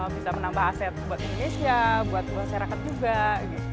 bisa menambah aset buat indonesia buat masyarakat juga